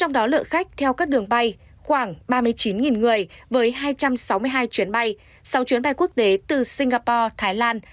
trong đó lượng khách theo các đường bay khoảng ba mươi chín người với hai trăm sáu mươi hai chuyến bay sáu chuyến bay quốc tế từ singapore thái lan